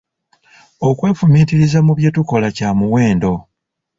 Okwefumintiriza mu bye tukola kya muwendo.